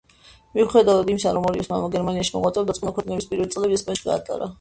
მიუხედავად იმისა, რომ ორივეს მამა გერმანიაში მოღვაწეობდა, წყვილმა ქორწინების პირველი წლები ესპანეთში გაატარა.